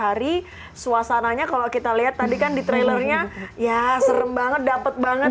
hari suasananya kalau kita lihat tadi kan di trailernya ya serem banget dapet banget